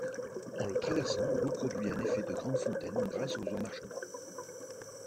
En le traversant, l’eau produit un effet de grandes fontaines grâce aux emmarchements.